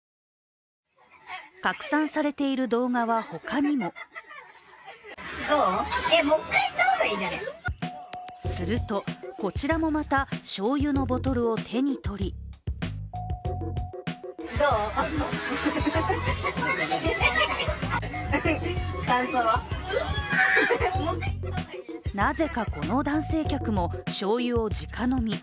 拡散されている動画は、他にもすると、こちらもまたしょうゆのボトルを手に取りなぜか、この男性客もしょうゆを直飲み。